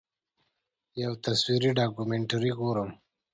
یو تصویري ډاکومنټري ګورم.